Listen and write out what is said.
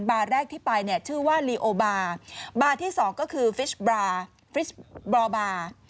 แรกที่ไปเนี่ยชื่อว่าลีโอบาร์บาบาร์ที่สองก็คือฟิชบราฟิชบราบา